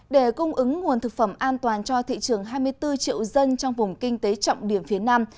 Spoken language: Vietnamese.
để cung ứng nguồn thực phẩm an toàn cho thị trường hai mươi bốn triệu dân trong vùng kinh tế trọng điểm phía nam